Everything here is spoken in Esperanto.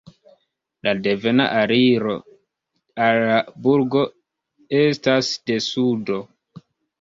La devena aliro al la burgo estas de sudo.